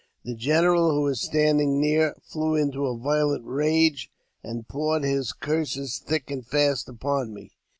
The general, who was standing near, flew into a violent rage, and poured his curses thick and fast upon me.